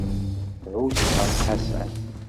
Ɛusseɣ Ḥasan.